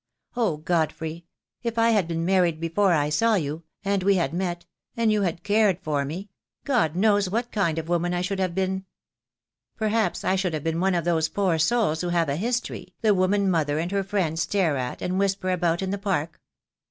Oh, Godfrey! if I had been married before I saw you — and we had met — and you had cared for me— God knows what kind of woman I should have been. Per haps I should have been one of those poor souls who have a history, the women mother and her friends stare at and whisper about in the Park.